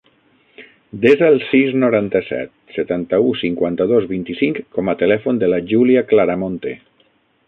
Desa el sis, noranta-set, setanta-u, cinquanta-dos, vint-i-cinc com a telèfon de la Giulia Claramonte.